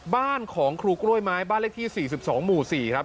บ้านของครูกล้วยไม้บ้านเลขที่๔๒หมู่๔ครับ